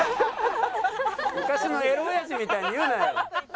昔のエロおやじみたいに言うなよ。